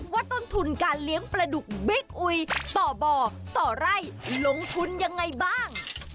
ว่าต้นทุนการเลี้ยงปลาดุกบิ๊กอุยต่อบ่อต่อไร่ลงทุนยังไงบ้าง